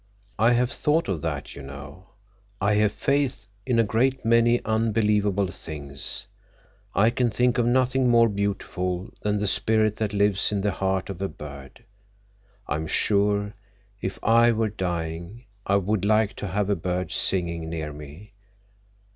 "I have thought of that. You know, I have faith in a great many unbelievable things. I can think of nothing more beautiful than the spirit that lives in the heart of a bird. I am sure, if I were dying, I would like to have a bird singing near me.